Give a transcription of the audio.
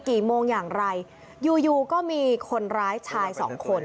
กี่โมงอย่างไรอยู่อยู่ก็มีคนร้ายชายสองคน